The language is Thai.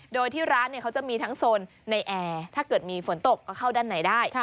โดยที่ร้านเขาจะมีทั้งโซนในแอร์ถ้าเกิดมีฝนตกก็เข้าด้านในได้